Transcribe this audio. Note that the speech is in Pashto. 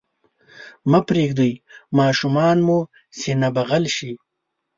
مه پرېږدئ ماشومان مو سینه بغل شي.